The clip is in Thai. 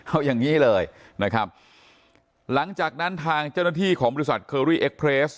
เอาอย่างนี้เลยนะครับหลังจากนั้นทางเจ้าหน้าที่ของบริษัทเคอรี่เอ็กเพลส